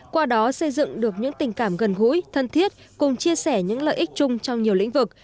qua đó xây dựng được những tình cảm gần gũi thân thiết cùng chia sẻ những lợi ích chung trong nhiều lĩnh vực